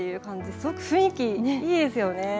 すごく雰囲気、いいですよね。